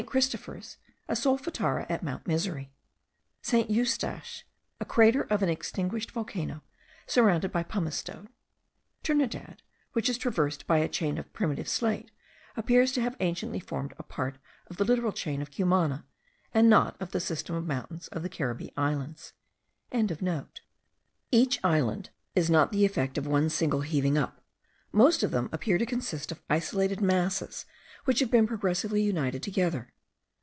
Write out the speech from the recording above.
Christopher's, a solfatara at Mount Misery. St. Eustache, a crater of an extinguished volcano, surrounded by pumice stone. (Trinidad, which is traversed by a chain of primitive slate, appears to have anciently formed a part of the littoral chain of Cumana, and not of the system of the mountains of the Caribbee Islands.)) Each island is not the effect of one single heaving up: most of them appear to consist of isolated masses which have been progressively united together.